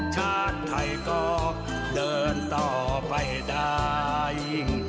ชาติไทยก็เดินต่อไปได้